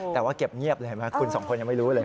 แต่ว่าเก็บเงียบเลยเห็นไหมคุณสองคนยังไม่รู้เลย